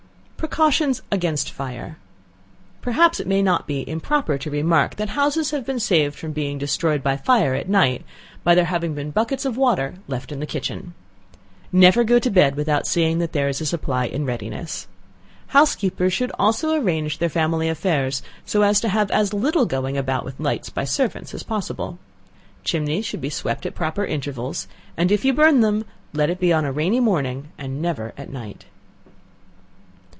Precautions against Fire. Perhaps it may not be improper to remark that houses have been saved from being destroyed by fire at night, by there having been buckets of water left in the kitchen. Never go to bed without seeing that there is a supply in readiness. Housekeepers should also arrange their family affairs so as to have as little going about with lights by servants as possible. Chimneys should be swept at proper intervals, and if you burn them, let it be on a rainy morning and never at night.